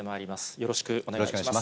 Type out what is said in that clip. よろしくお願いします。